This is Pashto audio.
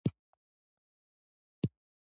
د افغانستان فرهنګ د تاریخ زېږنده دی.